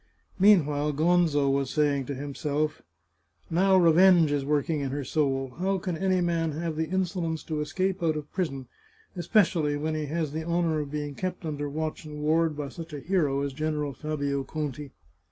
Mean while Gonzo was saying to himself :" Now revenge is work ing in her soul. How can any man have the insolence to escape out of prison, especially when he has the honour of being kept under watch and ward by such a hero as General Fabio Conti